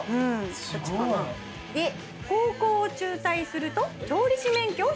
すごい。で高校を中退すると調理師免許を取得。